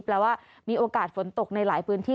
แปลว่ามีโอกาสฝนตกในหลายพื้นที่